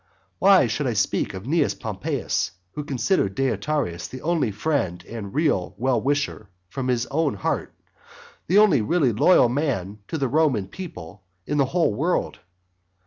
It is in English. Why should I speak of Cnaeus Pompeius, who considered Deiotarus the only friend and real well wisher from his heart, the only really loyal man to the Roman people in the whole world?